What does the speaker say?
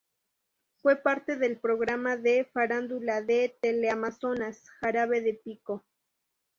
Fue parte del programa de farándula de Teleamazonas, "Jarabe de pico".